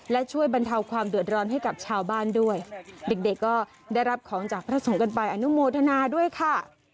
และช่วยบรรเทาความเดือดร้อนให้กับชาวบ้านด้วยเด็กเด็กก็ได้รับของจากพระสงฆ์กันไปอนุโมทนาด้วยค่ะ